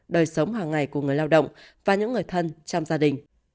đời sống hàng ngày của người lao động và những người thân trong gia đình